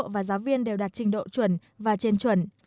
cán bộ và giáo viên đều đạt trình độ chuẩn và trên chuẩn